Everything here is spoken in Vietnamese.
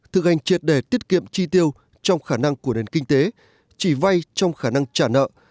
thực hành triệt đề tiết kiệm chi tiêu trong khả năng của nền kinh tế chỉ vay trong khả năng trả nợ